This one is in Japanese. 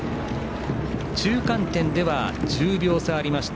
中間点では１０秒差ありました